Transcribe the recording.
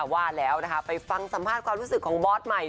ว่าแล้วนะคะไปฟังสัมภาษณ์ความรู้สึกของบอสใหม่